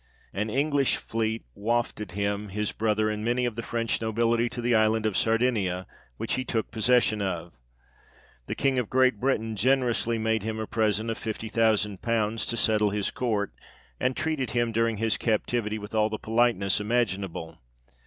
An English fleet wafted him, his brother, and many of the French nobility to the island of Sardinia, which he took possession of. The King of Great Britain generously made him a present of fifty thousand pounds to settle his court, and treated him during his captivity, with all the politeness imagin able.